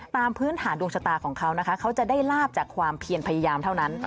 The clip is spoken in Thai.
พื้นฐานดวงชะตาของเขานะคะเขาจะได้ลาบจากความเพียรพยายามเท่านั้น